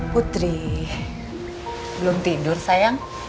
putri belum tidur sayang